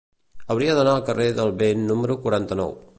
Hauria d'anar al carrer del Vent número quaranta-nou.